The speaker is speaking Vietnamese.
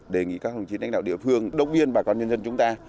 đề nghị các đồng chí đánh đạo địa phương động viên bà con nhân dân chúng ta